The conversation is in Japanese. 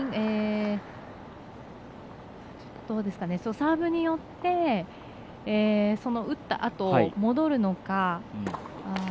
サーブによって打ったあと戻るのか。